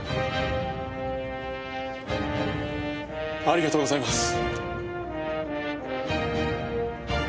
ありがとうございます。